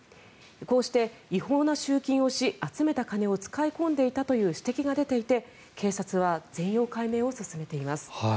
こうして、違法な集金をして集めた金を使い込んでいたという指摘が出ていて警察は全容解明を進めています。